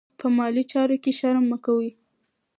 په مالي چارو کې شرم مه کوئ.